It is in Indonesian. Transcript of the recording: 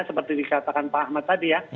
seperti dikatakan pak ahmad tadi ya